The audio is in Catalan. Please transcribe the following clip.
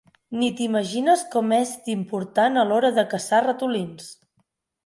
Ni t'imagines com és d'important a l'hora de caçar ratolins.